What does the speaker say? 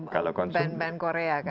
band band korea kan